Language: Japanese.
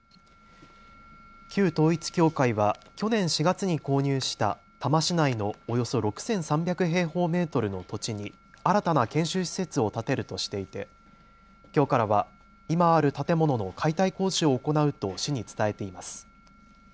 旧統一教会は去年４月に購入した多摩市内のおよそ６３００平方メートルの土地に新たな研修施設を建てるとしていてきょうからは今ある建物の解体工事を行うと市に伝えています。